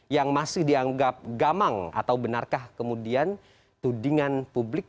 yang masih dianggap gamang atau benarkah kemudian tudingan publik